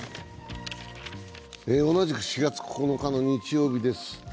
同じく４月９日の日曜日です。